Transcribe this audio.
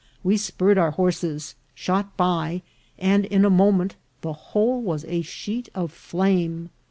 We spurred our horses, shot by, and in a moment the whole was a sheet of flame.